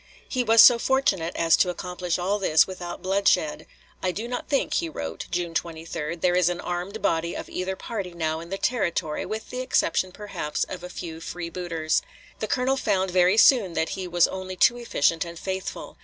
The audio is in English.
He was so fortunate as to accomplish all this without bloodshed. "I do not think," he wrote, June 23, "there is an armed body of either party now in the Territory, with the exception perhaps of a few freebooters." The colonel found very soon that he was only too efficient and faithful.